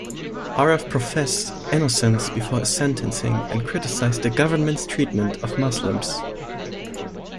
Aref professed innocence before his sentencing, and criticized the government's treatment of Muslims.